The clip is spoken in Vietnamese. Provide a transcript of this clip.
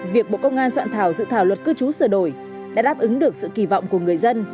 việc bộ công an soạn thảo dự thảo luật cư trú sửa đổi đã đáp ứng được sự kỳ vọng của người dân